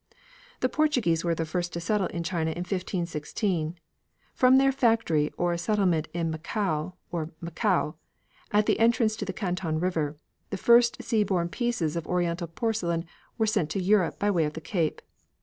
The Portuguese were the first to settle in China in 1516. From their factory or settlement in Macco, or Macao, at the entrance to the Canton river, the first sea borne pieces of Oriental porcelain were sent to Europe by way of the Cape.